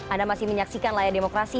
anda masih menyaksikan layar demokrasi